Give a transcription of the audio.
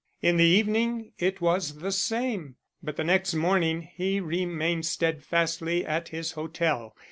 In the evening it was the same, but the next morning he remained steadfastly at his hotel.